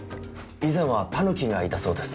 以前はタヌキがいたそうです